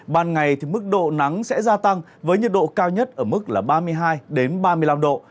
ban ngày thì mức độ nắng sẽ gia tăng với nhiệt độ cao nhất ở mức là ba mươi hai ba mươi năm độ